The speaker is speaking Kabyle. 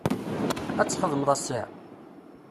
Ad txedmeḍ ass-a?